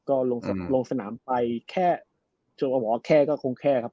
ก็ลงสนามไปแค่โจก็บอกว่าแค่ก็คงแค่ครับ